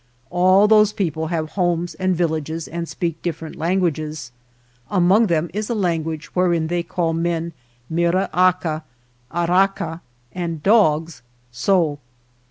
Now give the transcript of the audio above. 33 All those people have homes and villages and speak different languages. Among them is a language wherein they call men mira aca, arraca, and dogs xo.